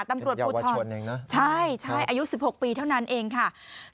ตำรวจภูทรใช่อายุ๑๖ปีเท่านั้นเองค่ะเป็นเยาวชนเองนะ